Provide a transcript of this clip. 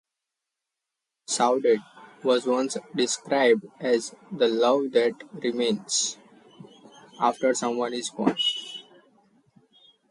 "Saudade" was once described as "the love that remains" after someone is gone.